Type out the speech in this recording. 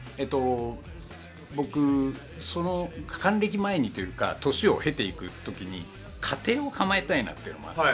僕、還暦前にというか年を経ていく時に家庭を構えたいなというのがあって。